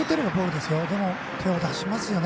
でも手を出しますね